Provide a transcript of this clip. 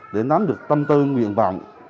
đồng chí cũng được tâm tư nguyện vọng